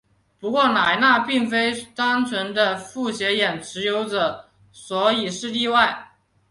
不过莱纳并非单纯的复写眼持有者所以是例外。